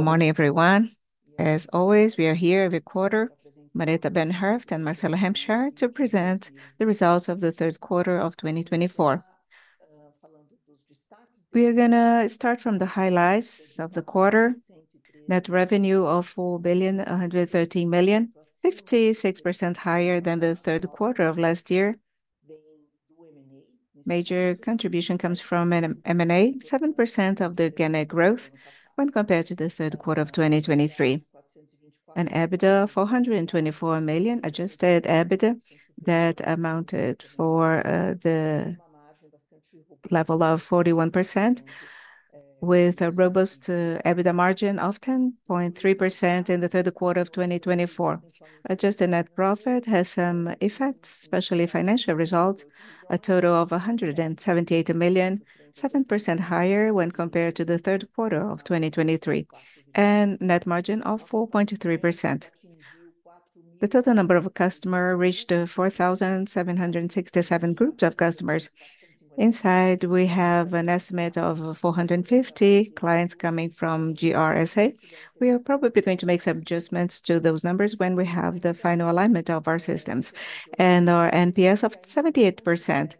Good morning, everyone. As always, we are here every quarter, Marita Bernhoeft and Marcelo Hampshire, to present the results of the third quarter of 2024. We are going to start from the highlights of the quarter. Net revenue of 4,113 million, 56% higher than the third quarter of last year. Major contribution comes from M&A: 7% of the organic growth when compared to the third quarter of 2023. An EBITDA of 424 million, adjusted EBITDA, that amounted for the level of 41%, with a robust EBITDA margin of 10.3% in the third quarter of 2024. Adjusted net profit has some effects, especially financial results: a total of 178 million, 7% higher when compared to the third quarter of 2023, and net margin of 4.3%. The total number of customers reached 4,767 groups of customers. Inside, we have an estimate of 450 clients coming from GRSA. We are probably going to make some adjustments to those numbers when we have the final alignment of our systems and our NPS of 78%,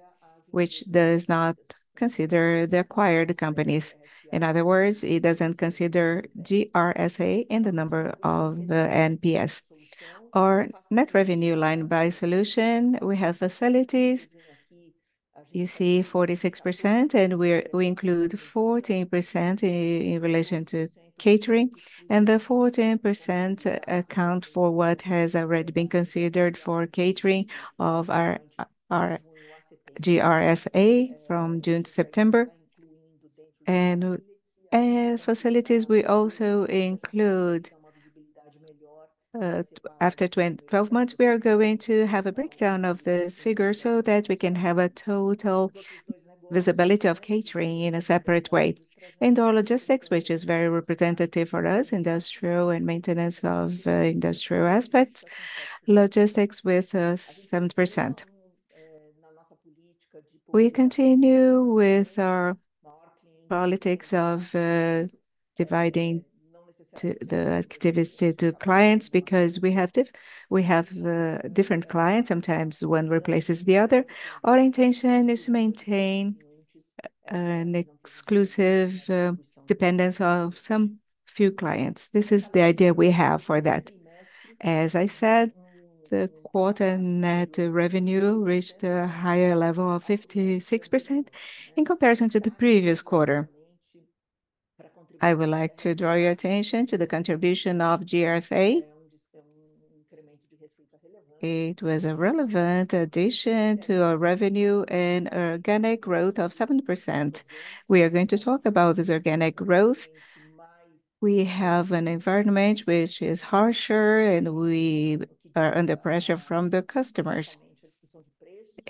which does not consider the acquired companies. In other words, it doesn't consider GRSA in the number of NPS. Our net revenue line by solution, we have facilities, you see 46%, and we include 14% in relation to catering, and the 14% account for what has already been considered for catering of our GRSA from June to September, and as facilities, we also include after 12 months, we are going to have a breakdown of this figure so that we can have a total visibility of catering in a separate way, and our logistics, which is very representative for us, industrial and maintenance of industrial aspects, logistics with 7%. We continue with our policy of dividing the activity to clients because we have different clients. Sometimes one replaces the other. Our intention is to maintain an exclusive dependence of some few clients. This is the idea we have for that. As I said, the quarter net revenue reached a higher level of 56% in comparison to the previous quarter. I would like to draw your attention to the contribution of GRSA. It was a relevant addition to our revenue and organic growth of 7%. We are going to talk about this organic growth. We have an environment which is harsher, and we are under pressure from the customers,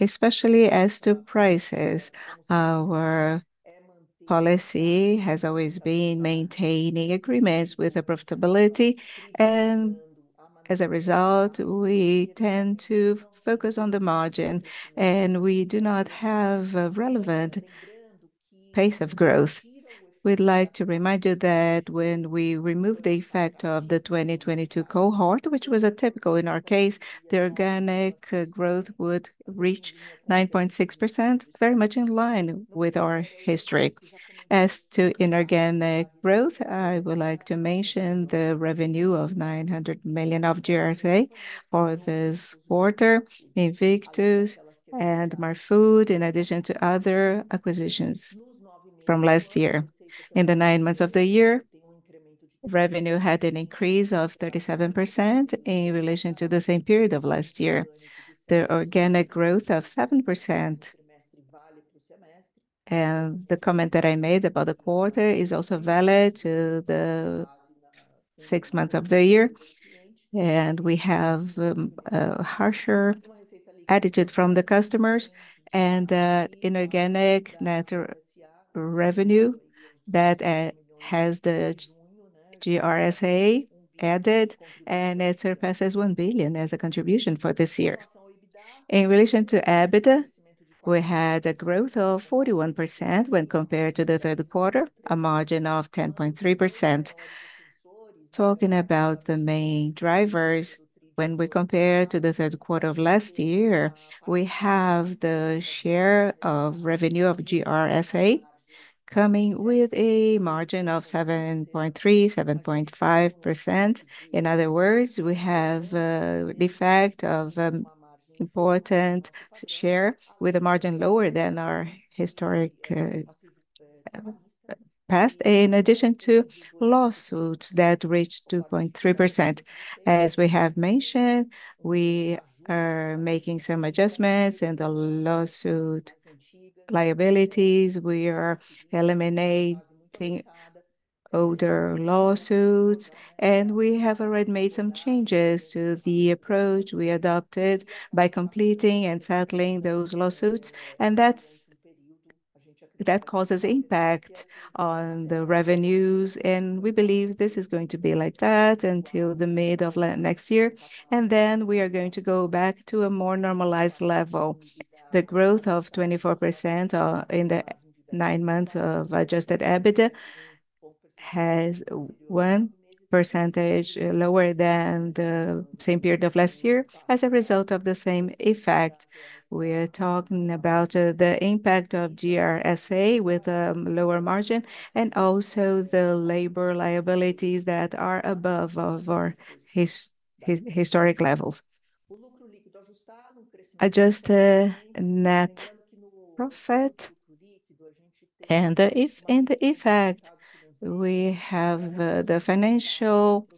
especially as to prices. Our policy has always been maintaining agreements with profitability, and as a result, we tend to focus on the margin, and we do not have a relevant pace of growth. We'd like to remind you that when we remove the effect of the 2022 cohort, which was atypical in our case, the organic growth would reach 9.6%, very much in line with our history. As to inorganic growth, I would like to mention the revenue of 900 million of GRSA for this quarter in Victus and Marfood, in addition to other acquisitions from last year. In the nine months of the year, revenue had an increase of 37% in relation to the same period of last year. The organic growth of 7%. And the comment that I made about the quarter is also valid to the six months of the year. And we have a harsher attitude from the customers, and that inorganic net revenue that has the GRSA added, and it surpasses 1 billion as a contribution for this year. In relation to EBITDA, we had a growth of 41% when compared to the third quarter, a margin of 10.3%. Talking about the main drivers, when we compare to the third quarter of last year, we have the share of revenue of GRSA coming with a margin of 7.3%, 7.5%. In other words, we have the effect of an important share with a margin lower than our historic past, in addition to lawsuits that reached 2.3%. As we have mentioned, we are making some adjustments in the lawsuit liabilities. We are eliminating older lawsuits, and we have already made some changes to the approach we adopted by completing and settling those lawsuits. And that causes impact on the revenues, and we believe this is going to be like that until the mid of next year. And then we are going to go back to a more normalized level. The growth of 24% in the nine months of adjusted EBITDA is 1% lower than the same period of last year as a result of the same effect. We are talking about the impact of GRSA with a lower margin and also the labor liabilities that are above our historic levels. Adjusted net profit and the effect. We have the financial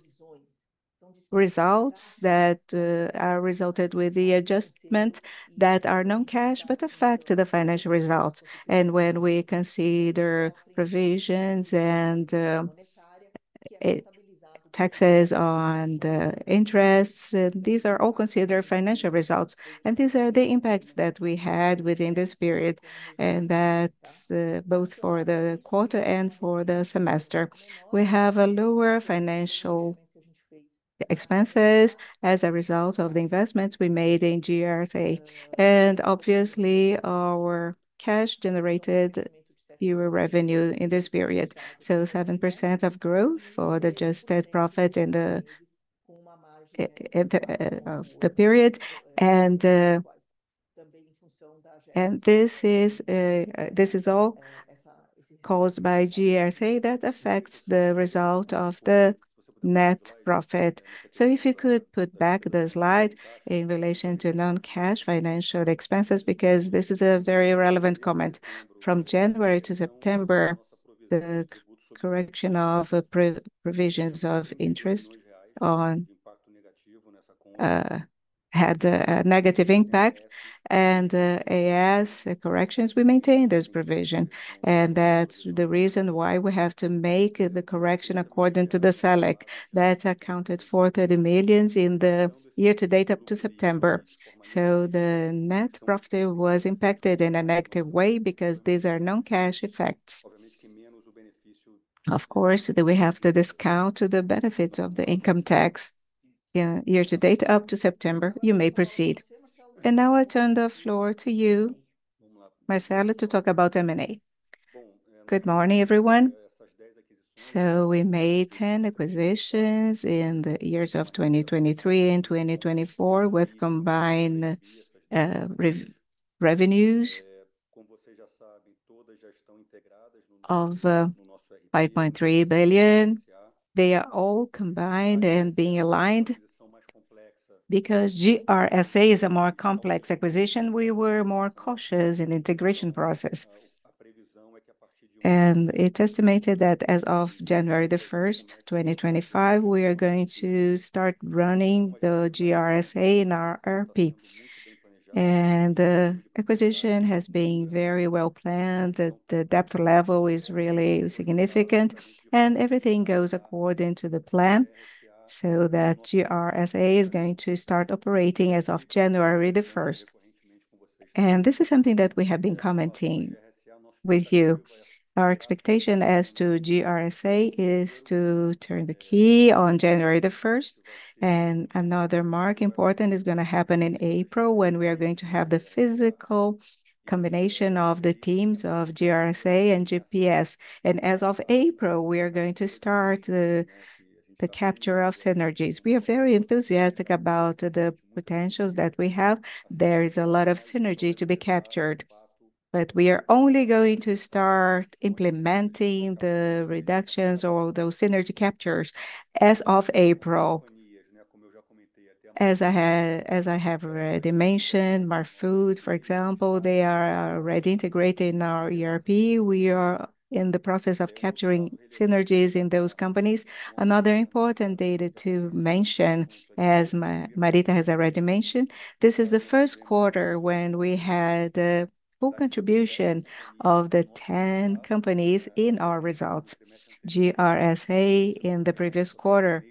results that are resulted with the adjustment that are non-cash but affect the financial results, and when we consider provisions and taxes on interest, these are all considered financial results. And these are the impacts that we had within this period, and that's both for the quarter and for the semester. We have lower financial expenses as a result of the investments we made in GRSA. And obviously, our cash generated fewer revenue in this period, so 7% growth for the adjusted profit in the period. And this is all caused by GRSA that affects the result of the net profit. So, if you could put back the slide in relation to non-cash financial expenses, because this is a very relevant comment. From January to September, the correction of provisions of interest had a negative impact, and as corrections, we maintained this provision. And that's the reason why we have to make the correction according to the Selic that accounted for $30 million in the year-to-date up to September. So, the net profit was impacted actively because these are non-cash effects. Of course, we have to discount the benefits of the income tax year-to-date up to September. You may proceed. And now I turn the floor to you, Marcelo, to talk about M&A. Good morning, everyone. We made 10 acquisitions in the years of 2023 and 2024 with combined revenues of 5.3 billion. They are all combined and being aligned because GRSA is a more complex acquisition. We were more cautious in the integration process. It's estimated that as of January 1st, 2025, we are going to start running the GRSA in our ERP. The acquisition has been very well planned. The depth level is really significant, and everything goes according to the plan so that GRSA is going to start operating as of January 1st. This is something that we have been commenting with you. Our expectation as to GRSA is to turn the key on January 1st. Another mark important is going to happen in April when we are going to have the physical combination of the teams of GRSA and GPS. As of April, we are going to start the capture of synergies. We are very enthusiastic about the potentials that we have. There is a lot of synergy to be captured, but we are only going to start implementing the reductions or those synergy captures as of April. As I have already mentioned, Marfood, for example, they are already integrating our ERP. We are in the process of capturing synergies in those companies. Another important data to mention, as Marita has already mentioned, this is the first quarter when we had full contribution of the 10 companies in our results. GRSA in the previous quarter,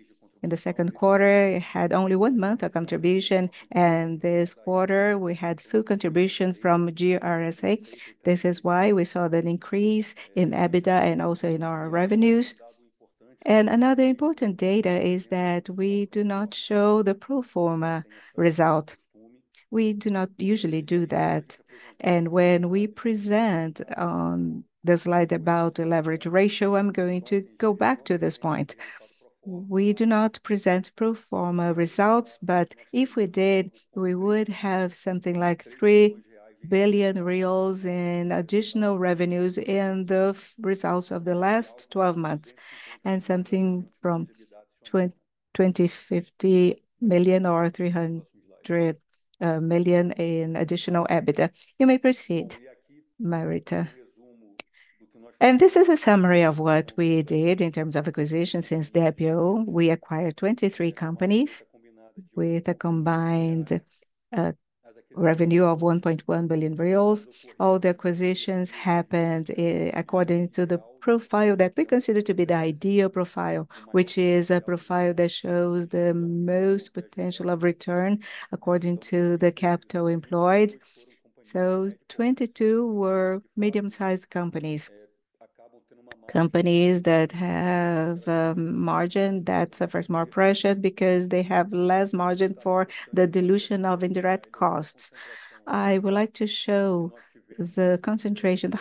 in the second quarter, it had only one month of contribution, and this quarter we had full contribution from GRSA. This is why we saw an increase in EBITDA and also in our revenues. Another important data is that we do not show the pro forma result. We do not usually do that. When we present on the slide about the leverage ratio, I'm going to go back to this point. We do not present pro forma results, but if we did, we would have something like 3 billion reais in additional revenues in the results of the last 12 months and something from 250 million or 300 million in additional EBITDA. You may proceed, Marita. This is a summary of what we did in terms of acquisitions. Since the IPO, we acquired 23 companies with a combined revenue of 1.1 billion reais. All the acquisitions happened according to the profile that we consider to be the ideal profile, which is a profile that shows the most potential of return according to the capital employed. So, 22 were medium-sized companies, companies that have a margin that suffers more pressure because they have less margin for the dilution of indirect costs. I would like to show the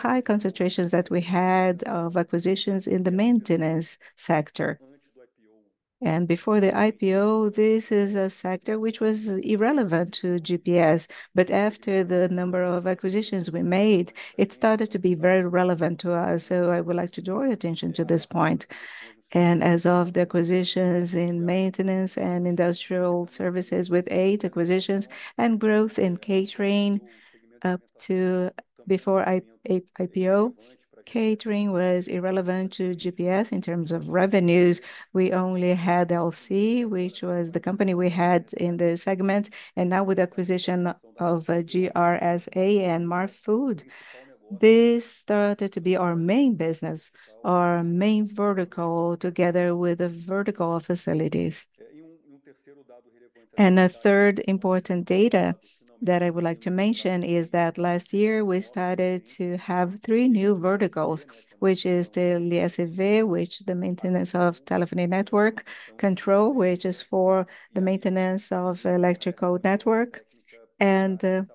high concentrations that we had of acquisitions in the maintenance sector. And before the IPO, this is a sector which was irrelevant to GPS. But after the number of acquisitions we made, it started to be very relevant to us. So, I would like to draw your attention to this point. And as of the acquisitions in maintenance and industrial services with eight acquisitions and growth in catering up to before IPO, catering was irrelevant to GPS in terms of revenues. We only had LC, which was the company we had in the segment, and now with the acquisition of GRSA and Marfood, this started to be our main business, our main vertical together with a vertical of facilities. And a third important data that I would like to mention is that last year we started to have three new verticals, which is the TLSV, which is the maintenance of telephony network, Control, which is for the maintenance of electrical network, and Lyon.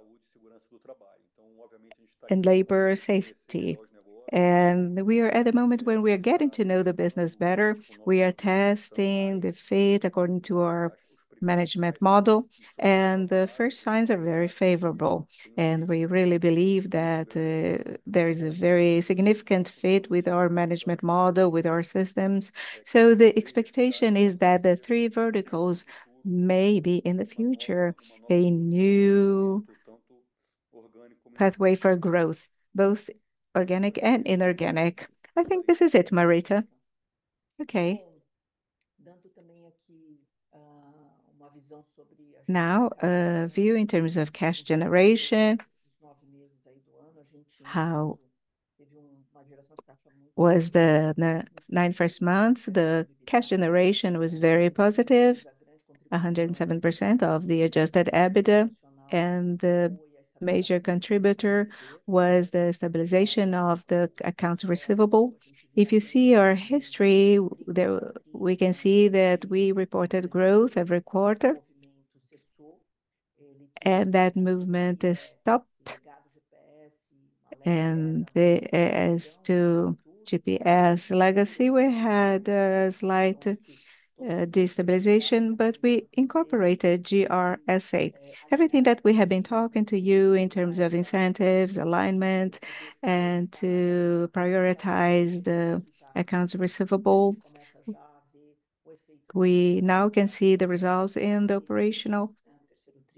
And we are at the moment when we are getting to know the business better. We are testing the fit according to our management model, and the first signs are very favorable. And we really believe that there is a very significant fit with our management model, with our systems. So, the expectation is that the three verticals may be in the future a new pathway for growth, both organic and inorganic. I think this is it, Marita. Okay. Now, a view in terms of cash generation was the nine first months. The cash generation was very positive, 107% of the adjusted EBITDA, and the major contributor was the stabilization of the account receivable. If you see our history, we can see that we reported growth every quarter, and that movement stopped. And as to GPS legacy, we had a slight destabilization, but we incorporated GRSA. Everything that we have been talking to you in terms of incentives, alignment, and to prioritize the accounts receivable, we now can see the results in the operational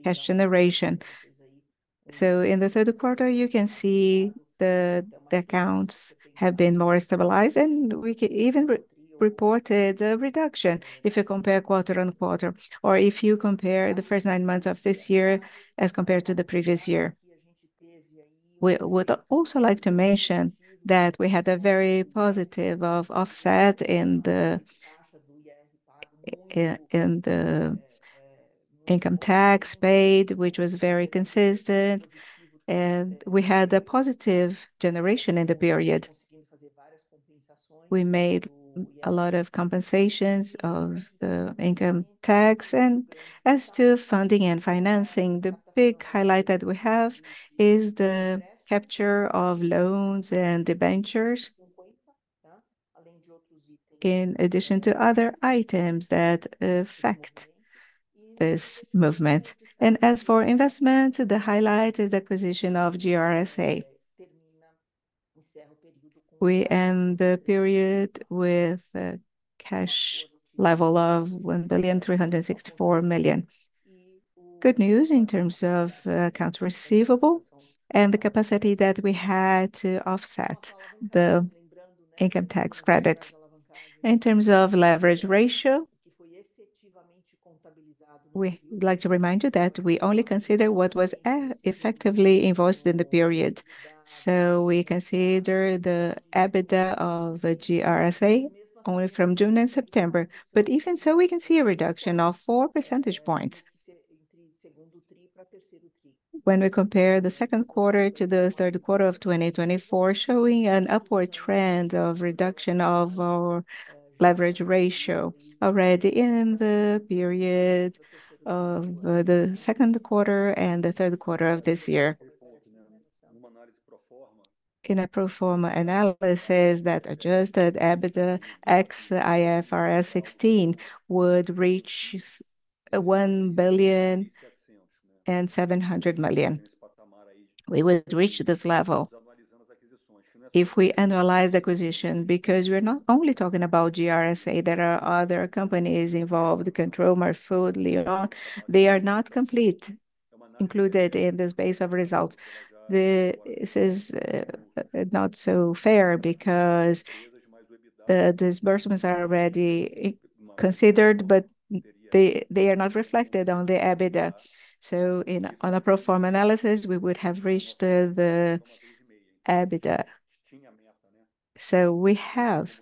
cash generation. So, in the third quarter, you can see the accounts have been more stabilized, and we even reported a reduction if you compare quarter on quarter, or if you compare the first nine months of this year as compared to the previous year. We would also like to mention that we had a very positive offset in the income tax paid, which was very consistent, and we had a positive generation in the period. We made a lot of compensations of the income tax, and as to funding and financing, the big highlight that we have is the capture of loans and the ventures, in addition to other items that affect this movement, and as for investments, the highlight is the acquisition of GRSA. We end the period with a cash level of 1,364 million. Good news in terms of accounts receivable and the capacity that we had to offset the income tax credits. In terms of leverage ratio, we'd like to remind you that we only consider what was effectively invoiced in the period. We consider the EBITDA of GRSA only from June and September, but even so, we can see a reduction of four percentage points. When we compare the second quarter to the third quarter of 2024, showing an upward trend of reduction of our leverage ratio already in the period of the second quarter and the third quarter of this year. In a pro forma analysis that adjusted EBITDA, ex-IFRS 16 would reach 1,700 million. We would reach this level if we analyze the acquisition because we're not only talking about GRSA. There are other companies involved: Control, Marfood, Lyon. They are not completely included in this base of results. This is not so fair because the disbursements are already considered, but they are not reflected on the EBITDA. In a pro forma analysis, we would have reached the EBITDA. So, we have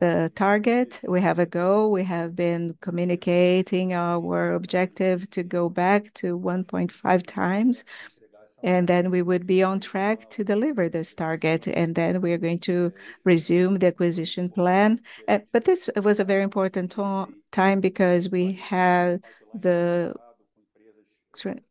the target, we have a goal, we have been communicating our objective to go back to 1.5x, and then we would be on track to deliver this target, and then we are going to resume the acquisition plan. But this was a very important time because we had the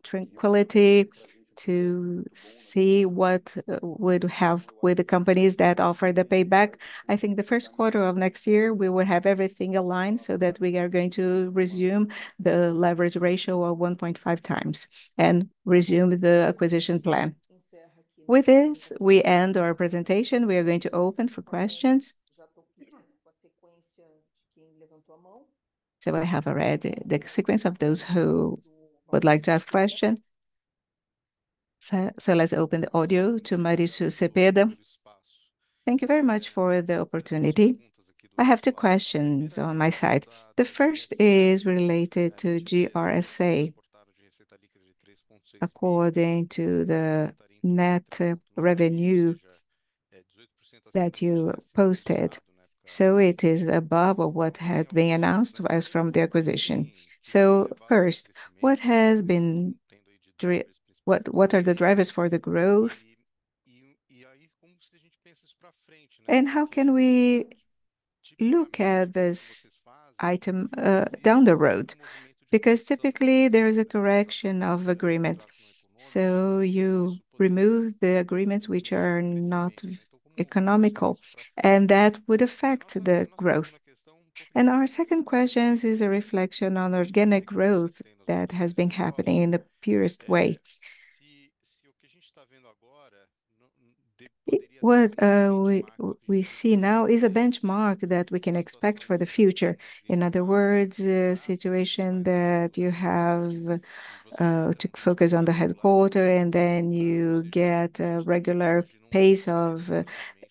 tranquility to see what would happen with the companies that offered the payback. I think the first quarter of next year, we will have everything aligned so that we are going to resume the leverage ratio of 1.5x and resume the acquisition plan. With this, we end our presentation. We are going to open for questions. So, I have already the sequence of those who would like to ask questions. So, let's open the audio to Mauricio Cepeda. Thank you very much for the opportunity. I have two questions on my side. The first is related to GRSA. According to the net revenue that you posted, so it is above what had been announced as from the acquisition. So, first, what has been the drivers for the growth? And how can we look at this item down the road? Because typically, there is a correction of agreements. So, you remove the agreements which are not economic, and that would affect the growth. And our second question is a reflection on organic growth that has been happening in the purest way. What we see now is a benchmark that we can expect for the future. In other words, a situation that you have to focus on the headquarters, and then you get a regular pace of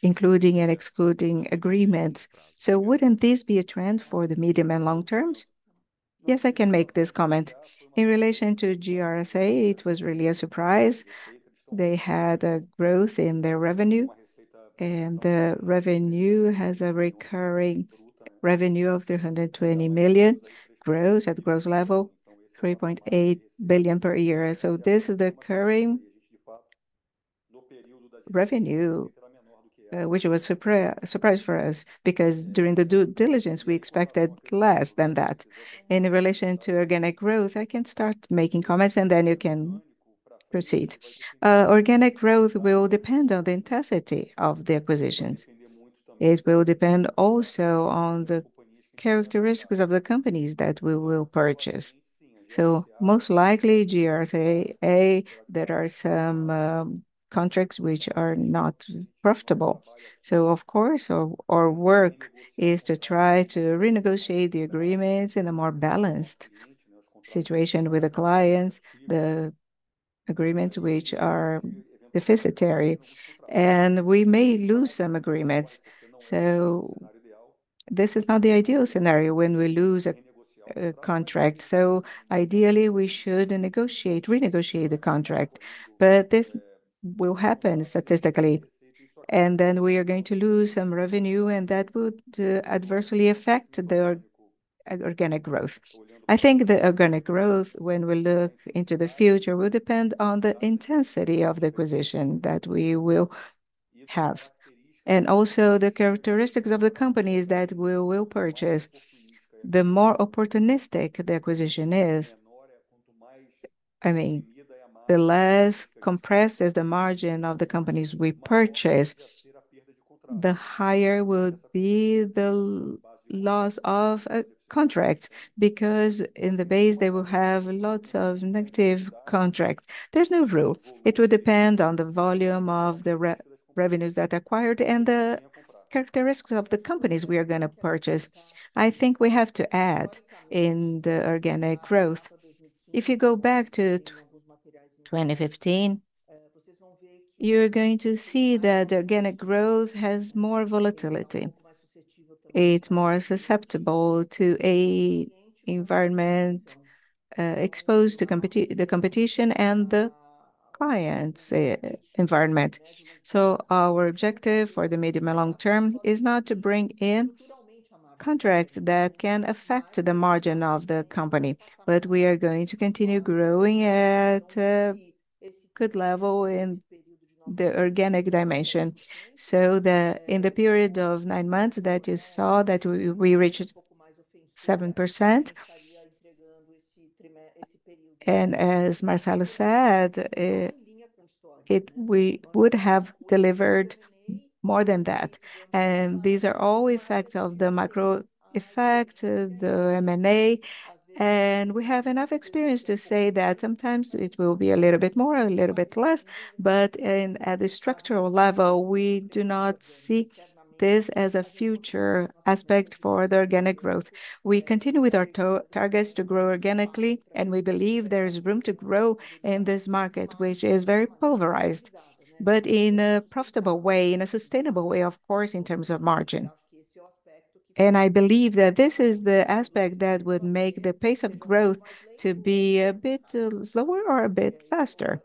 including and excluding agreements. So, wouldn't this be a trend for the medium and long terms? Yes, I can make this comment. In relation to GRSA, it was really a surprise. They had a growth in their revenue, and the revenue has a recurring revenue of 320 million, growth at growth level, 3.8 billion per year. So, this is the recurring revenue, which was a surprise for us because during the due diligence, we expected less than that. In relation to organic growth, I can start making comments, and then you can proceed. Organic growth will depend on the intensity of the acquisitions. It will depend also on the characteristics of the companies that we will purchase. So, most likely, GRSA, there are some contracts which are not profitable. So, of course, our work is to try to renegotiate the agreements in a more balanced situation with the clients, the agreements which are deficitary, and we may lose some agreements. So, this is not the ideal scenario when we lose a contract. Ideally, we should renegotiate the contract, but this will happen statistically, and then we are going to lose some revenue, and that would adversely affect the organic growth. I think the organic growth, when we look into the future, will depend on the intensity of the acquisition that we will have. Also, the characteristics of the companies that we will purchase, the more opportunistic the acquisition is, I mean, the less compressed is the margin of the companies we purchase, the higher will be the loss of contracts because in the base, they will have lots of negative contracts. There's no rule. It would depend on the volume of the revenues that are acquired and the characteristics of the companies we are going to purchase. I think we have to add in the organic growth. If you go back to 2015, you're going to see that organic growth has more volatility. It's more susceptible to an environment exposed to the competition and the client's environment, so our objective for the medium and long term is not to bring in contracts that can affect the margin of the company, but we are going to continue growing at a good level in the organic dimension, so in the period of nine months that you saw that we reached 7%, and as Marcelo said, we would have delivered more than that, and these are all effects of the macro effect, the M&A, and we have enough experience to say that sometimes it will be a little bit more, a little bit less, but at the structural level, we do not see this as a future aspect for the organic growth. We continue with our targets to grow organically, and we believe there is room to grow in this market, which is very pulverized, but in a profitable way, in a sustainable way, of course, in terms of margin, and I believe that this is the aspect that would make the pace of growth to be a bit slower or a bit faster.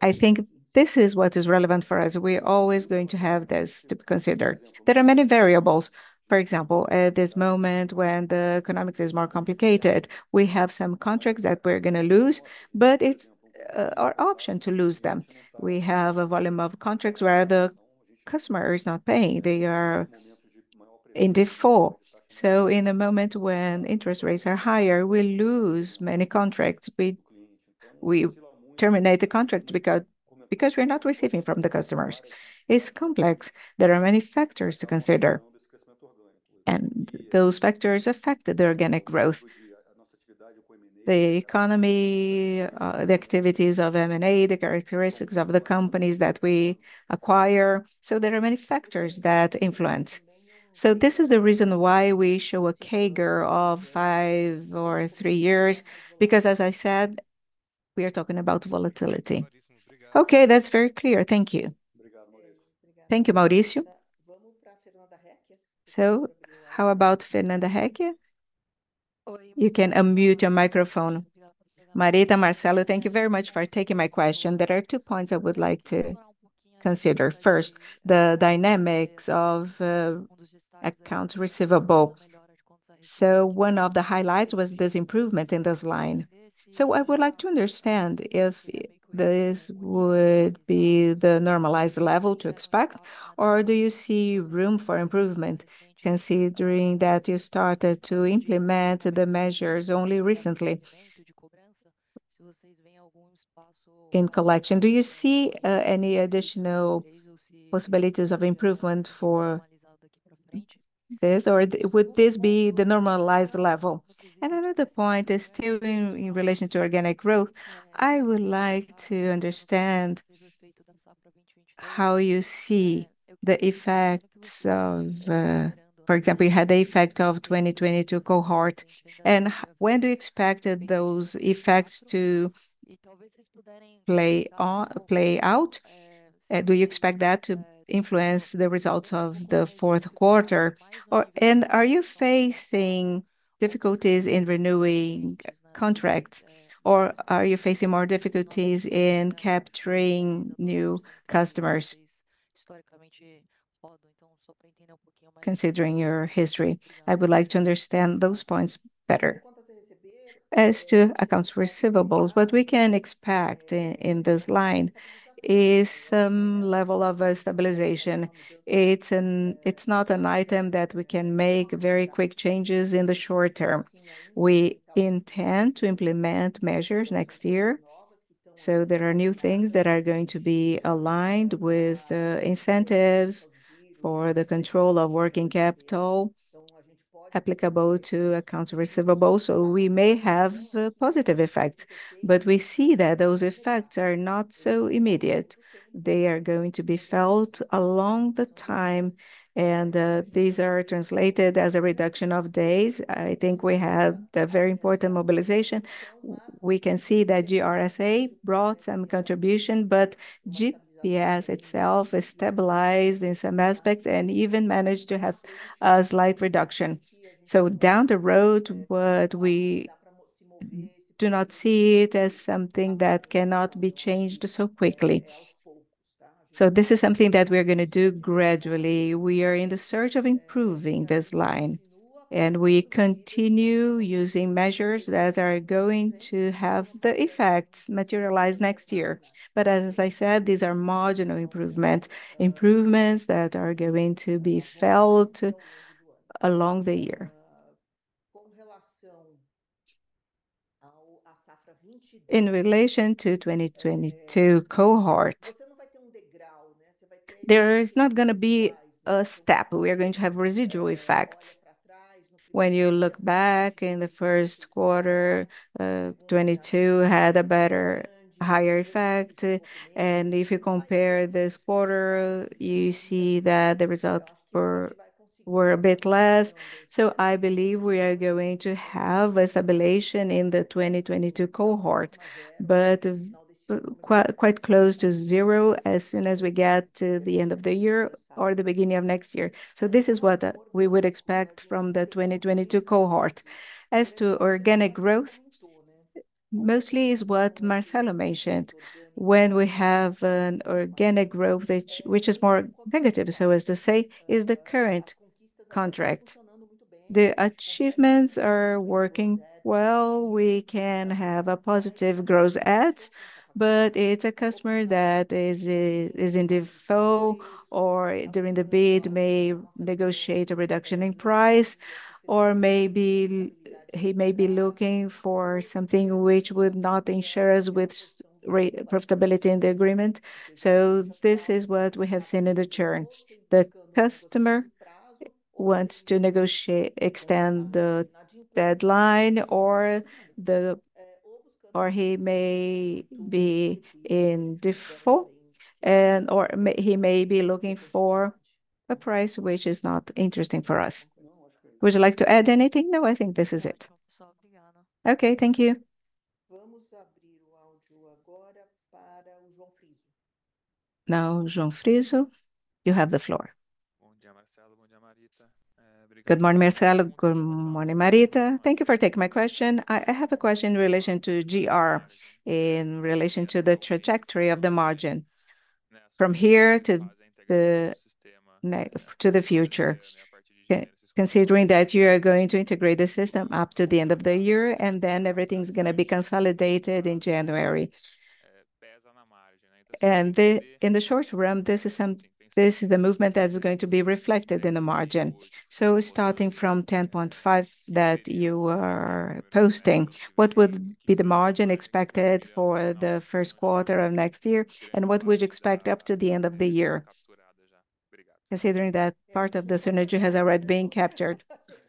I think this is what is relevant for us. We are always going to have this to consider. There are many variables. For example, at this moment when the economy is more complicated, we have some contracts that we're going to lose, but it's our option to lose them. We have a volume of contracts where the customer is not paying. They are in default, so in the moment when interest rates are higher, we lose many contracts. We terminate the contract because we're not receiving from the customers. It's complex. There are many factors to consider, and those factors affect the organic growth, the economy, the activities of M&A, the characteristics of the companies that we acquire. So, there are many factors that influence. So, this is the reason why we show a CAGR of five or three years, because, as I said, we are talking about volatility. Okay, that's very clear. Thank you. Thank you, Mauricio. So, how about Fernanda Heck? You can unmute your microphone. Marita, Marcelo, thank you very much for taking my question. There are two points I would like to consider. First, the dynamics of accounts receivable. So, one of the highlights was this improvement in this line. So, I would like to understand if this would be the normalized level to expect, or do you see room for improvement considering that you started to implement the measures only recently? Do you see any additional possibilities of improvement for this, or would this be the normalized level? And another point is still in relation to organic growth. I would like to understand how you see the effects of, for example, you had the effect of 2022 cohort, and when do you expect those effects to play out? Do you expect that to influence the results of the fourth quarter? And are you facing difficulties in renewing contracts, or are you facing more difficulties in capturing new customers considering your history? I would like to understand those points better. As to accounts receivables, what we can expect in this line is some level of stabilization. It's not an item that we can make very quick changes in the short term. We intend to implement measures next year. So, there are new things that are going to be aligned with incentives for the control of working capital, applicable to accounts receivable. So, we may have positive effects, but we see that those effects are not so immediate. They are going to be felt along the time, and these are translated as a reduction of days. I think we have the very important mobilization. We can see that GRSA brought some contribution, but GPS itself is stabilized in some aspects and even managed to have a slight reduction. So, down the road, what we do not see it as something that cannot be changed so quickly. So, this is something that we are going to do gradually. We are in the search of improving this line, and we continue using measures that are going to have the effects materialize next year. But as I said, these are marginal improvements, improvements that are going to be felt along the year. In relation to 2022 cohort, there is not going to be a step. We are going to have residual effects. When you look back in the first quarter, 2022 had a better, higher effect. And if you compare this quarter, you see that the results were a bit less. So, I believe we are going to have a stabilization in the 2022 cohort, but quite close to zero as soon as we get to the end of the year or the beginning of next year. So, this is what we would expect from the 2022 cohort. As to organic growth, mostly is what Marcelo mentioned. When we have an organic growth, which is more negative, so as to say, is the current contract. The achievements are working well. We can have a positive growth edge, but it's a customer that is in default or during the bid, may negotiate a reduction in price, or maybe he may be looking for something which would not insure us with profitability in the agreement. So, this is what we have seen in the churn. The customer wants to negotiate, extend the deadline, or he may be in default, and/or he may be looking for a price which is not interesting for us. Would you like to add anything? No, I think this is it. Okay, thank you. João Frizo, you have the floor. Marita. Good morning, Marcelo. Good morning, Marita. Thank you for taking my question. I have a question in relation to GR in relation to the trajectory of the margin from here to the future, considering that you are going to integrate the system up to the end of the year, and then everything's going to be consolidated in January, and in the short run, this is a movement that is going to be reflected in the margin. So, starting from 10.5% that you are posting, what would be the margin expected for the first quarter of next year, and what would you expect up to the end of the year, considering that part of the synergy has already been captured?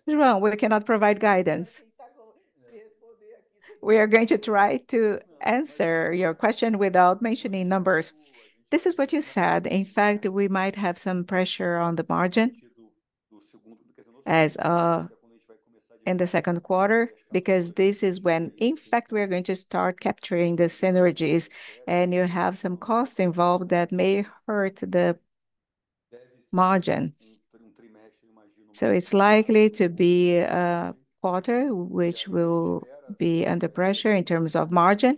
No, we cannot provide guidance. We are going to try to answer your question without mentioning numbers. This is what you said. In fact, we might have some pressure on the margin as in the second quarter, because this is when, in fact, we are going to start capturing the synergies, and you have some costs involved that may hurt the margin. So, it's likely to be a quarter which will be under pressure in terms of margin,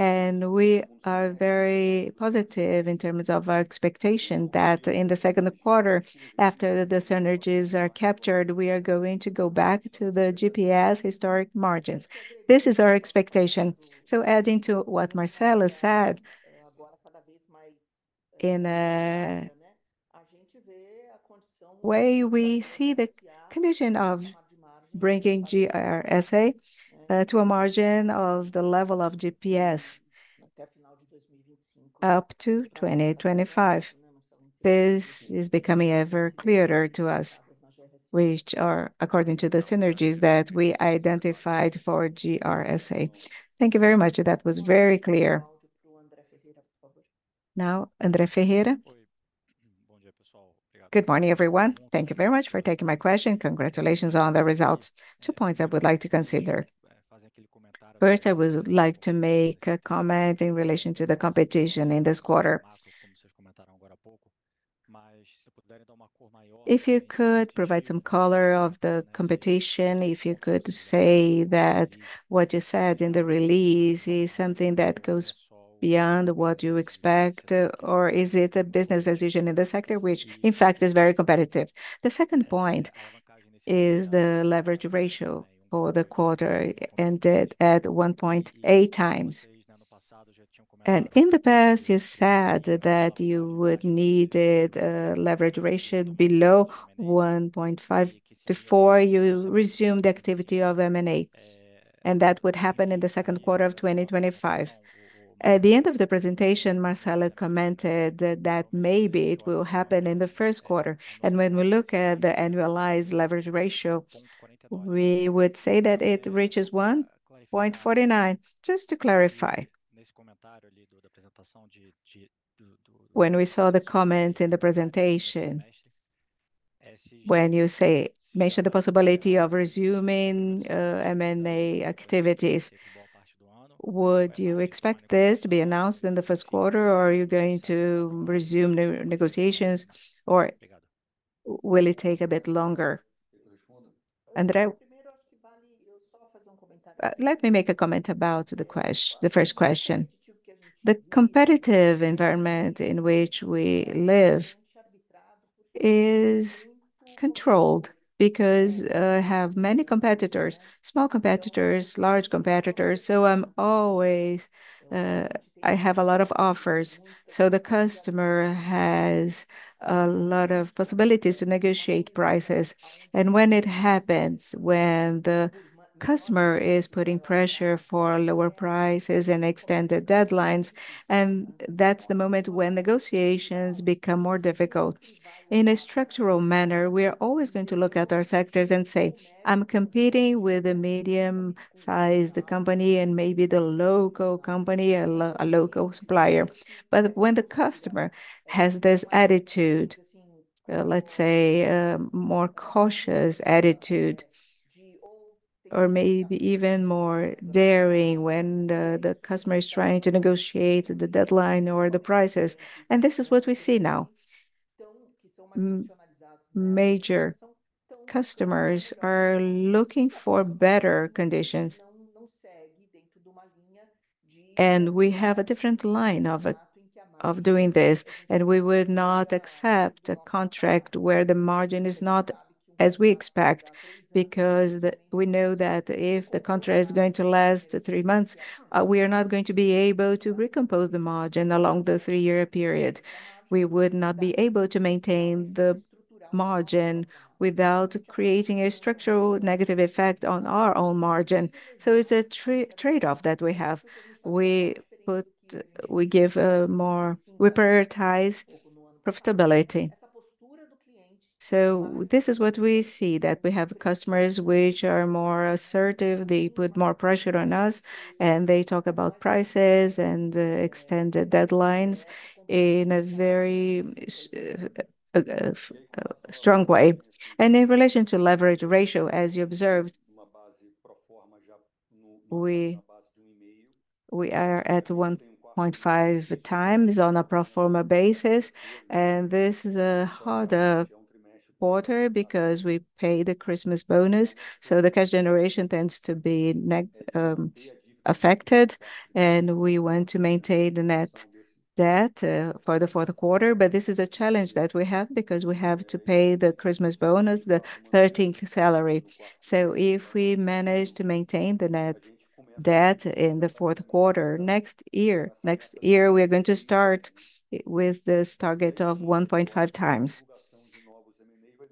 and we are very positive in terms of our expectation that in the second quarter, after the synergies are captured, we are going to go back to the GPS historic margins. This is our expectation. So, adding to what Marcelo said, the way we see the condition of bringing GRSA to a margin of the level of GPS up to 2025, this is becoming ever clearer to us, which are according to the synergies that we identified for GRSA. Thank you very much. That was very clear. Now, André Ferreira. Good morning, everyone. Thank you very much for taking my question. Congratulations on the results. Two points I would like to consider. First, I would like to make a comment in relation to the competition in this quarter. If you could provide some color of the competition, if you could say that what you said in the release is something that goes beyond what you expect, or is it a business decision in the sector which, in fact, is very competitive? The second point is the leverage ratio for the quarter ended at 1.8x, and in the past, you said that you would need a leverage ratio below 1.5 before you resume the activity of M&A, and that would happen in the second quarter of 2025. At the end of the presentation, Marcelo commented that maybe it will happen in the first quarter. And when we look at the annualized leverage ratio, we would say that it reaches 1.49. Just to clarify, when we saw the comment in the presentation, when you mentioned the possibility of resuming M&A activities, would you expect this to be announced in the first quarter, or are you going to resume negotiations, or will it take a bit longer? André, let me make a comment about the first question. The competitive environment in which we live is controlled because I have many competitors, small competitors, large competitors. So I have a lot of offers. So the customer has a lot of possibilities to negotiate prices. And when it happens, when the customer is putting pressure for lower prices and extended deadlines, and that's the moment when negotiations become more difficult. In a structural manner, we are always going to look at our sectors and say, I'm competing with a medium-sized company and maybe the local company, a local supplier. But when the customer has this attitude, let's say, a more cautious attitude, or maybe even more daring when the customer is trying to negotiate the deadline or the prices, and this is what we see now, major customers are looking for better conditions, and we have a different line of doing this, and we would not accept a contract where the margin is not as we expect, because we know that if the contract is going to last three months, we are not going to be able to recompose the margin along the three-year period. We would not be able to maintain the margin without creating a structural negative effect on our own margin. So it's a trade-off that we have. We give a more, we prioritize profitability. So this is what we see, that we have customers which are more assertive. They put more pressure on us, and they talk about prices and extended deadlines in a very strong way. And in relation to leverage ratio, as you observed, we are at 1.5x on a pro forma basis. And this is a harder quarter because we pay the Christmas bonus. So the cash generation tends to be affected, and we want to maintain the net debt for the fourth quarter. But this is a challenge that we have because we have to pay the Christmas bonus, the 13th salary. So if we manage to maintain the net debt in the fourth quarter, next year, next year, we are going to start with this target of 1.5x.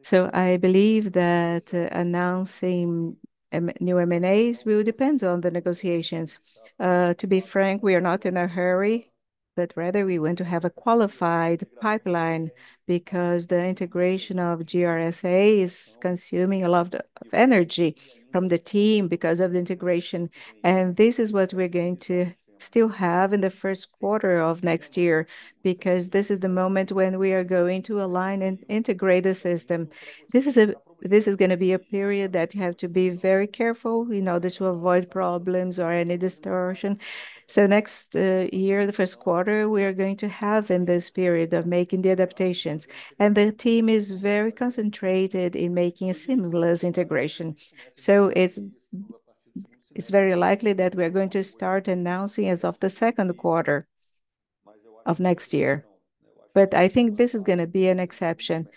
So I believe that announcing new M&As will depend on the negotiations. To be frank, we are not in a hurry, but rather we want to have a qualified pipeline because the integration of GRSA is consuming a lot of energy from the team because of the integration. And this is what we're going to still have in the first quarter of next year because this is the moment when we are going to align and integrate the system. This is going to be a period that you have to be very careful in order to avoid problems or any distortion. So next year, the first quarter, we are going to have in this period of making the adaptations. And the team is very concentrated in making a seamless integration. So it's very likely that we are going to start announcing as of the second quarter of next year. But I think this is going to be an exception.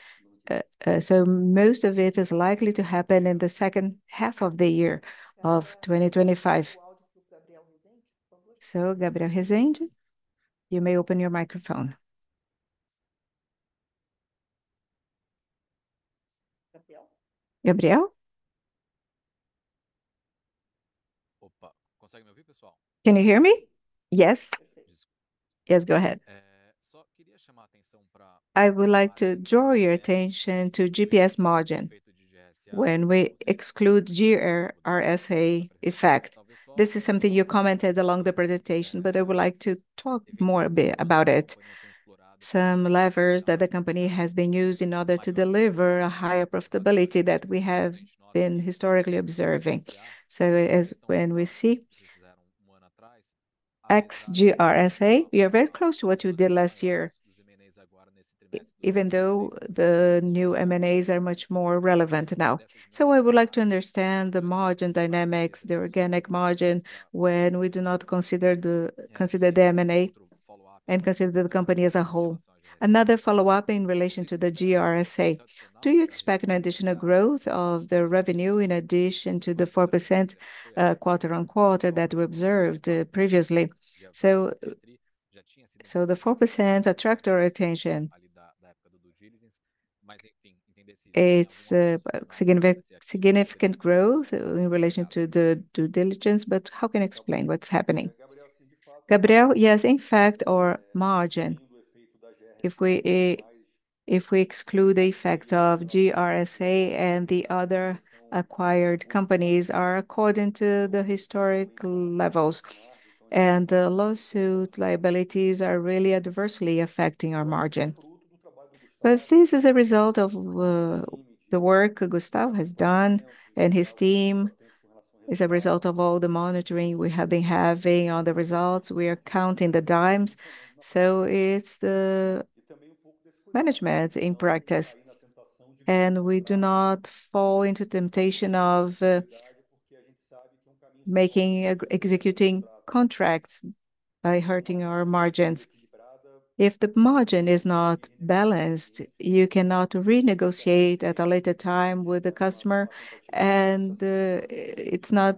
So most of it is likely to happen in the second half of the year of 2025. So, Gabriel Rezende, you may open your microphone. Gabriel? Gabriel? Can you hear me? Yes. Yes, go ahead. Só queria chamar a atenção para. I would like to draw your attention to GPS margin when we exclude GRSA effect. This is something you commented along the presentation, but I would like to talk more a bit about it. Some levers that the company has been using in order to deliver a higher profitability that we have been historically observing. So as when we see ex-GRSA, we are very close to what you did last year, even though the new M&As are much more relevant now. I would like to understand the margin dynamics, the organic margin, when we do not consider the M&A and consider the company as a whole. Another follow-up in relation to the GRSA. Do you expect an additional growth of the revenue in addition to the 4% quarter on quarter that we observed previously? So the 4% attracts our attention. It's a significant growth in relation to the due diligence, but how can you explain what's happening? Gabriel, yes, in fact, our margin, if we exclude the effects of GRSA and the other acquired companies, are according to the historic levels, and the lawsuit liabilities are really adversely affecting our margin. But this is a result of the work Gustavo has done and his team. It's a result of all the monitoring we have been having on the results. We are counting the dimes. So it's the management in practice, and we do not fall into the temptation of making or executing contracts by hurting our margins. If the margin is not balanced, you cannot renegotiate at a later time with the customer, and it's not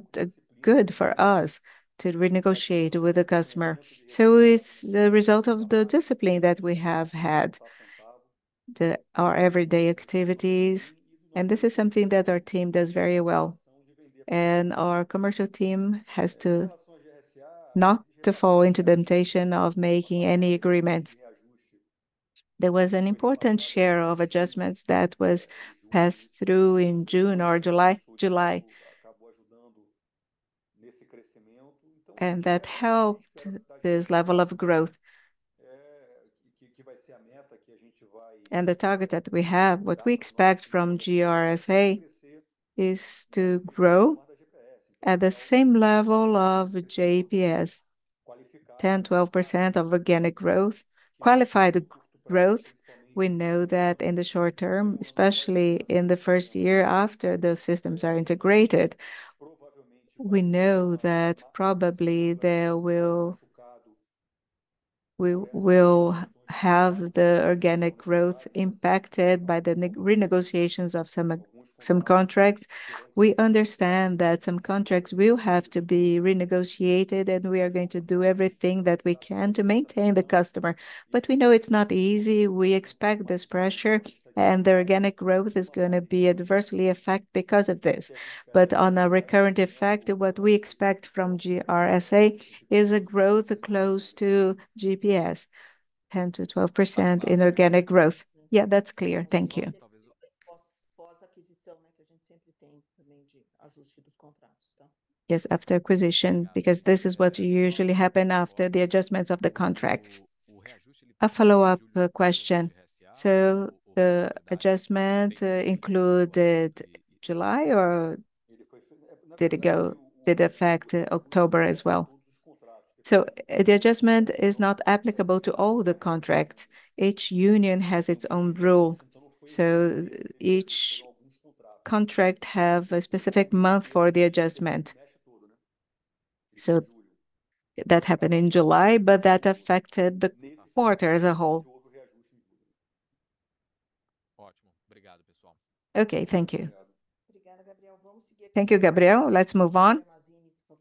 good for us to renegotiate with the customer. So it's the result of the discipline that we have had, our everyday activities. And this is something that our team does very well. And our commercial team has to not fall into the temptation of making any agreements. There was an important share of adjustments that was passed through in June or July, and that helped this level of growth. And the target that we have, what we expect from GRSA, is to grow at the same level of GPS, 10%-12% of organic growth, qualified growth. We know that in the short term, especially in the first year after those systems are integrated, we know that probably there will have the organic growth impacted by the renegotiations of some contracts. We understand that some contracts will have to be renegotiated, and we are going to do everything that we can to maintain the customer. But we know it's not easy. We expect this pressure, and the organic growth is going to be adversely affected because of this. But on a recurrent effect, what we expect from GRSA is a growth close to GPS, 10%-12% in organic growth. Yeah, that's clear. Thank you. Yes, after acquisition, because this is what usually happens after the adjustments of the contracts. A follow-up question. The adjustment included July or did it affect October as well? The adjustment is not applicable to all the contracts. Each union has its own rule. Each contract has a specific month for the adjustment. That happened in July, but that affected the quarter as a whole. Okay, thank you. Gabriel. Thank you, Gabriel. Let's move on.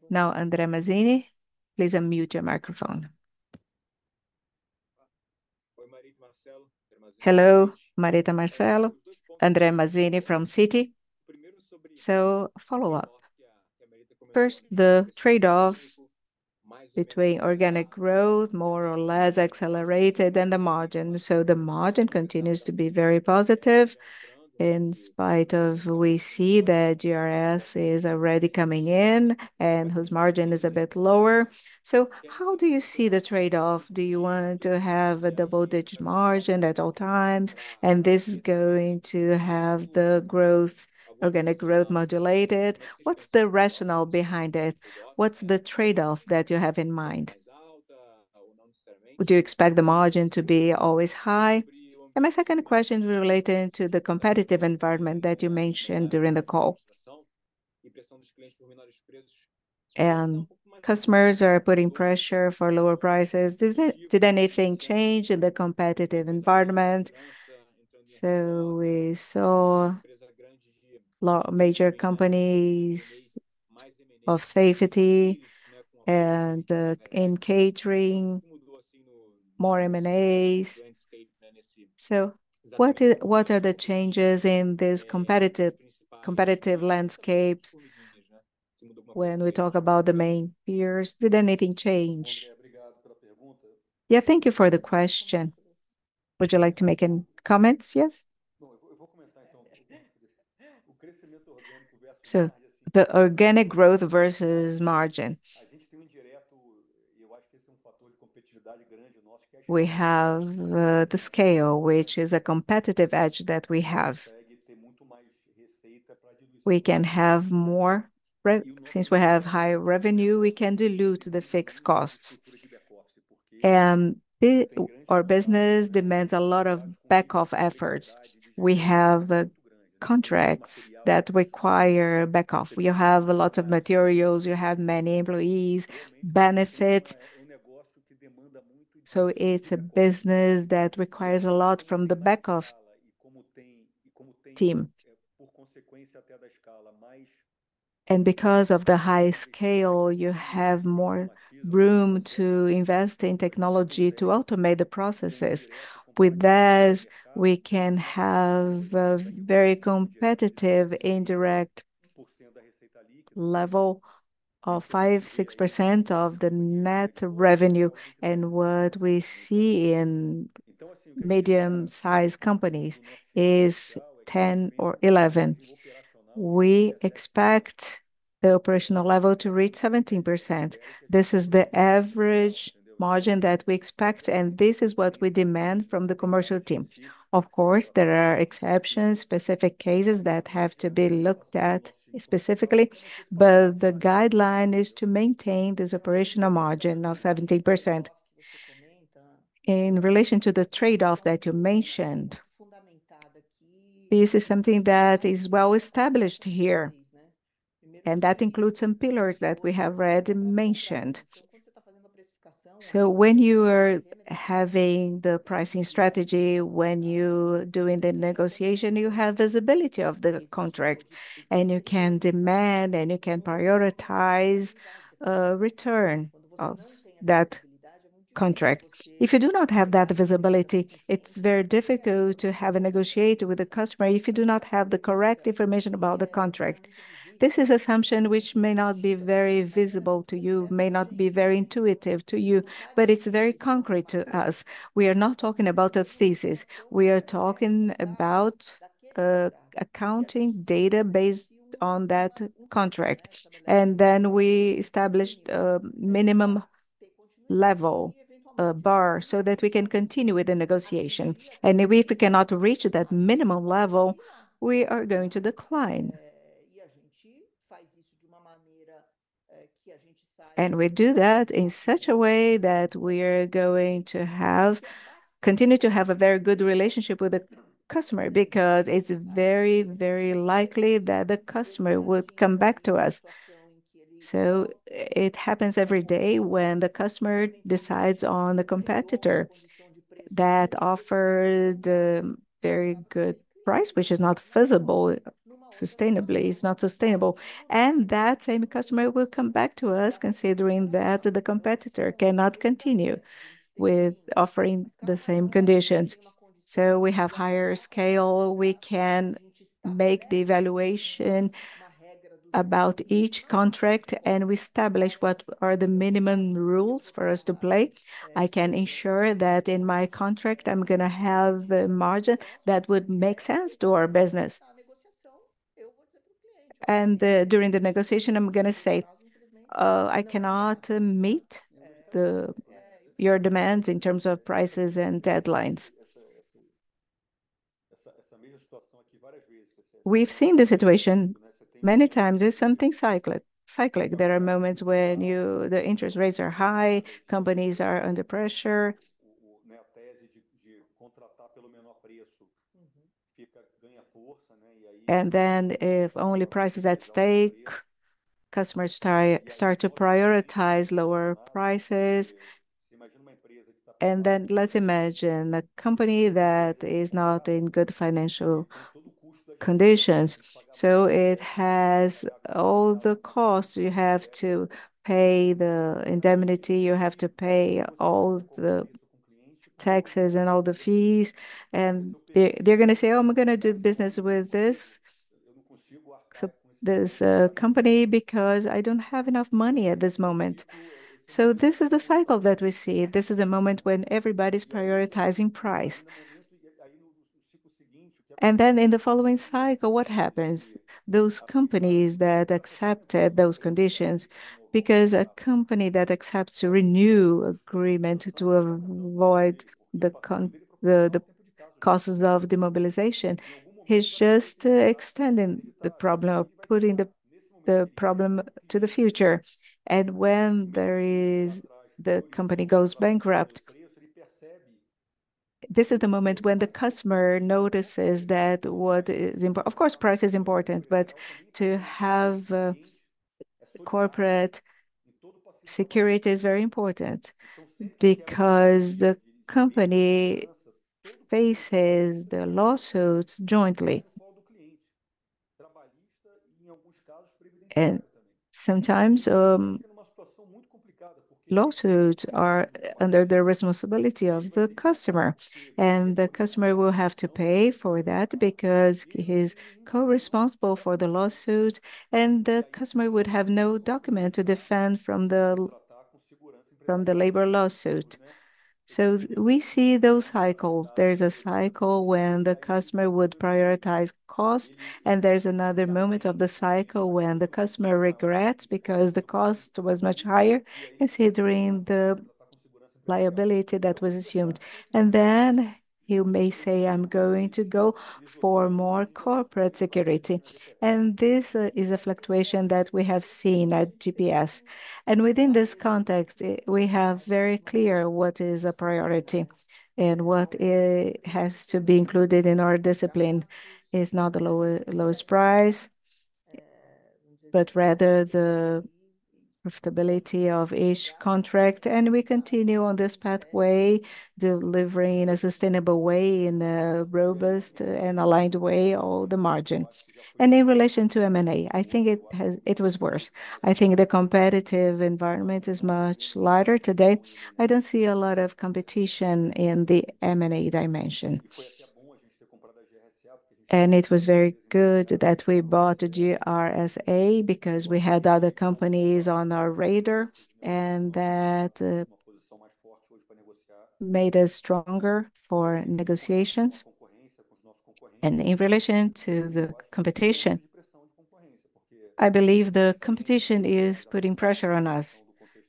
Now, André Mazini, please unmute your microphone. Hello, Marita Marcelo. André Mazini from Citi. Follow-up. First, the trade-off between organic growth, more or less accelerated, and the margin. The margin continues to be very positive in spite of we see that GRSA is already coming in and whose margin is a bit lower. How do you see the trade-off? Do you want to have a double-digit margin at all times? This is going to have the growth, organic growth modulated. What's the rationale behind it? What's the trade-off that you have in mind? Would you expect the margin to be always high? My second question is related to the competitive environment that you mentioned during the call. The customers are putting pressure for lower prices. Did anything change in the competitive environment? We saw major companies in security and in catering more M&As. What are the changes in this competitive landscape when we talk about the main peers? Did anything change? Yeah, thank you for the question. Would you like to make any comments? Yes? We have the scale, which is a competitive edge that we have. We can have more revenue. Since we have high revenue, we can dilute the fixed costs. Our business demands a lot of back-office efforts. We have contracts that require back-office. You have lots of materials, you have many employees, benefits. So it's a business that requires a lot from the back-office team. And because of the high scale, you have more room to invest in technology to automate the processes. With this, we can have a very competitive indirect level of 5-6% of the net revenue. And what we see in medium-sized companies is 10% or 11%. We expect the operational level to reach 17%. This is the average margin that we expect, and this is what we demand from the commercial team. Of course, there are exceptions, specific cases that have to be looked at specifically, but the guideline is to maintain this operational margin of 17%. In relation to the trade-off that you mentioned, this is something that is well established here, and that includes some pillars that we have read and mentioned. So when you are having the pricing strategy, when you're doing the negotiation, you have visibility of the contract, and you can demand, and you can prioritize a return of that contract. If you do not have that visibility, it's very difficult to have a negotiation with the customer if you do not have the correct information about the contract. This is an assumption which may not be very visible to you, may not be very intuitive to you, but it's very concrete to us. We are not talking about a thesis. We are talking about accounting data based on that contract. And then we establish a minimum level bar so that we can continue with the negotiation. If we cannot reach that minimum level, we are going to decline. We do that in such a way that we are going to continue to have a very good relationship with the customer because it's very, very likely that the customer would come back to us. It happens every day when the customer decides on a competitor that offers a very good price, which is not feasible sustainably. That same customer will come back to us considering that the competitor cannot continue with offering the same conditions. We have higher scale, we can make the evaluation about each contract, and we establish what are the minimum rules for us to play. I can ensure that in my contract, I'm going to have a margin that would make sense to our business. During the negotiation, I'm going to say, "I cannot meet your demands in terms of prices and deadlines." We've seen the situation many times. It's something cyclic. There are moments when the interest rates are high, companies are under pressure. And then let's imagine a company that is not in good financial conditions. So it has all the costs you have to pay, the indemnity you have to pay, all the taxes and all the fees. And they're going to say, "Oh, I'm going to do business with this company because I don't have enough money at this moment." So this is the cycle that we see. This is a moment when everybody's prioritizing price. And then in the following cycle, what happens? Those companies that accepted those conditions, because a company that accepts to renew agreements to avoid the costs of demobilization, is just extending the problem of putting the problem to the future. And when the company goes bankrupt, this is the moment when the customer notices that what is important, of course, price is important, but to have corporate security is very important because the company faces the lawsuits jointly. Sometimes lawsuits are under the responsibility of the customer, and the customer will have to pay for that because he's co-responsible for the lawsuit, and the customer would have no document to defend from the labor lawsuit. So we see those cycles. There's a cycle when the customer would prioritize cost, and there's another moment of the cycle when the customer regrets because the cost was much higher considering the liability that was assumed. And then he may say, "I'm going to go for more corporate security." And this is a fluctuation that we have seen at GPS. And within this context, we have very clear what is a priority and what has to be included in our discipline. It's not the lowest price, but rather the profitability of each contract. And we continue on this pathway, delivering in a sustainable way, in a robust and aligned way, all the margin. And in relation to M&A, I think it was worse. I think the competitive environment is much lighter today. I don't see a lot of competition in the M&A dimension. And it was very good that we bought GRSA because we had other companies on our radar and that made us stronger for negotiations. And in relation to the competition, I believe the competition is putting pressure on us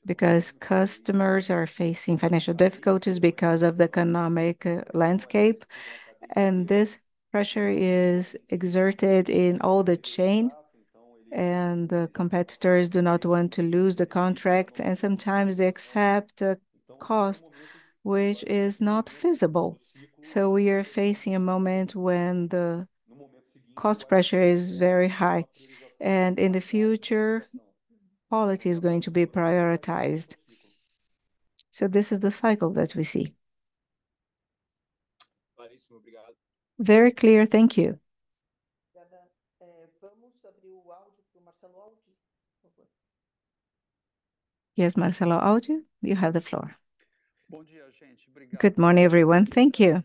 because customers are facing financial difficulties because of the economic landscape. And this pressure is exerted in all the chain, and the competitors do not want to lose the contract. And sometimes they accept a cost which is not feasible. So we are facing a moment when the cost pressure is very high, and in the future, quality is going to be prioritized. So this is the cycle that we see. Very clear. Thank you. Yes, Marcelo, you have the floor. Good morning, everyone. Thank you.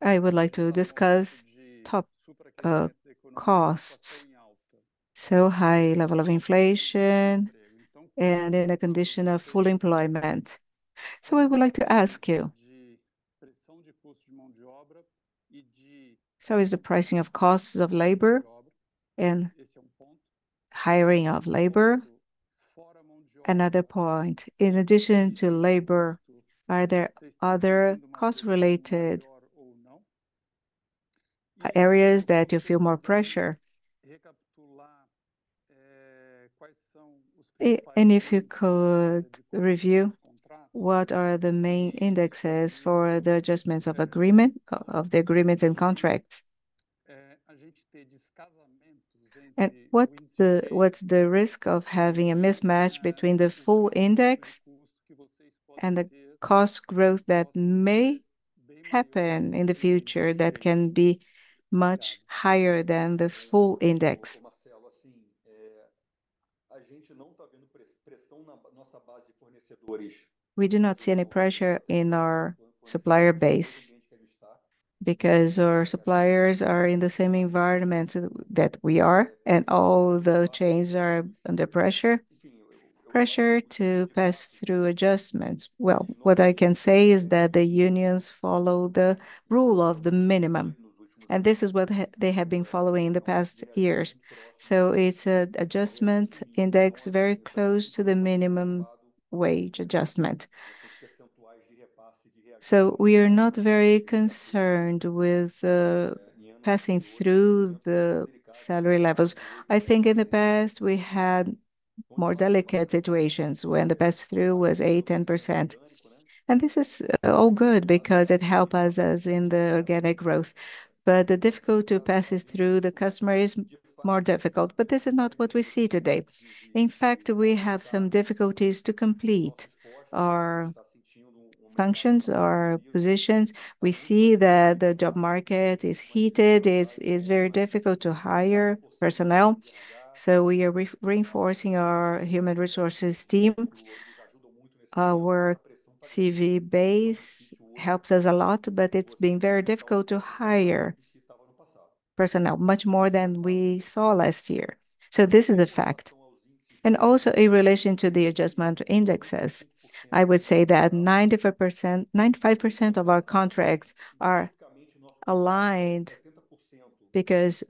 I would like to discuss top costs. So, high level of inflation and in a condition of full employment. So, I would like to ask you. So, is the pricing of costs of labor and hiring of labor. Another point, in addition to labor, are there other cost-related areas that you feel more pressure? And if you could review, what are the main indexes for the adjustments of agreement, of the agreements and contracts? And what's the risk of having a mismatch between the full index and the cost growth that may happen in the future that can be much higher than the full index? We do not see any pressure in our supplier base because our suppliers are in the same environment that we are. And all the chains are under pressure. Pressure to pass through adjustments. Well, what I can say is that the unions follow the rule of the minimum, and this is what they have been following in the past years. So it's an adjustment index very close to the minimum wage adjustment. So we are not very concerned with passing through the salary levels. I think in the past we had more delicate situations when the pass-through was 8-10%. And this is all good because it helps us in the organic growth. But the difficulty to pass through the customer is more difficult. But this is not what we see today. In fact, we have some difficulties to complete our functions, our positions. We see that the job market is heated. It is very difficult to hire personnel. So we are reinforcing our human resources team. Our CV base helps us a lot, but it's been very difficult to hire personnel much more than we saw last year, so this is a fact. And also in relation to the adjustment indexes, I would say that 95%, 95% of our contracts are aligned because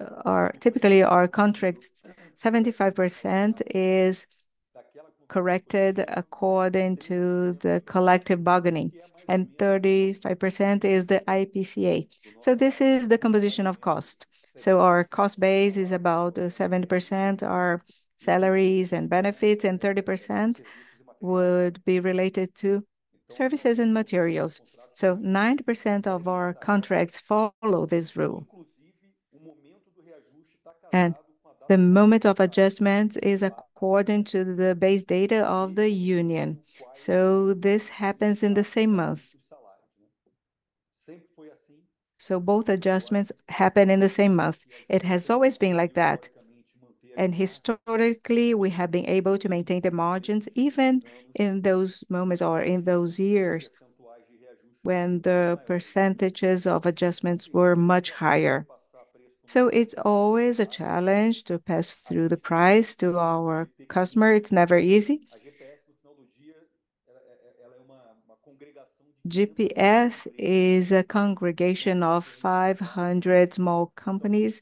typically our contract 75% is corrected according to the collective bargaining and 35% is the IPCA. So this is the composition of cost, so our cost base is about 70% our salaries and benefits, and 30% would be related to services and materials. So 90% of our contracts follow this rule, and the moment of adjustment is according to the base data of the union, so this happens in the same month, so both adjustments happen in the same month. It has always been like that. And historically, we have been able to maintain the margins even in those moments or in those years when the percentages of adjustments were much higher. So it's always a challenge to pass through the price to our customer. It's never easy. GPS is a congregation of 500 small companies,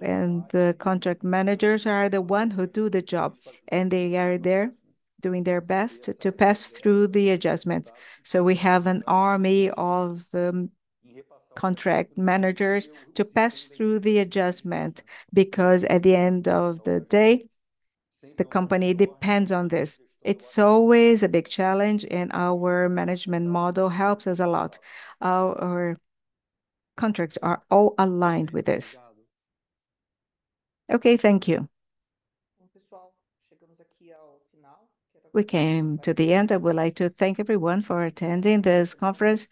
and the contract managers are the ones who do the job, and they are there doing their best to pass through the adjustments. So we have an army of contract managers to pass through the adjustment because at the end of the day, the company depends on this. It's always a big challenge, and our management model helps us a lot. Our contracts are all aligned with this. Okay, thank you. We came to the end. I would like to thank everyone for attending this conference.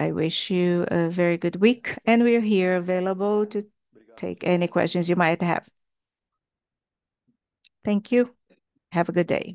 I wish you a very good week, and we are here available to take any questions you might have. Thank you. Have a good day.